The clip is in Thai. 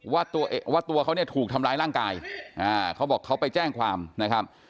ว่าตัวเขาเนี่ยถูกทำร้ายร่างกายเขาบอกเขาไปแจ้งความนะครับ